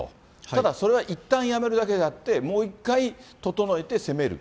ただ、それはいったんやめるだけであって、もう１回整えて攻める。